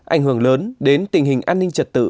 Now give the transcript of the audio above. ảnh hưởng lớn đến tình hình an ninh trật tự